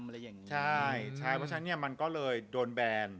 เพราะฉะนั้นมันก็เลยโดนแบน